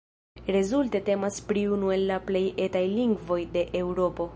Rezulte temas pri unu el la plej "etaj" lingvoj de Eŭropo.